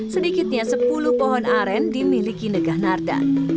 sedikitnya sepuluh pohon aren dimiliki negah narda